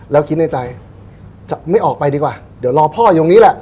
แล้วคิดในใจจะไม่ออกไปดีกว่าเดี๋ยวรอพ่ออยู่ตรงนี้แหละ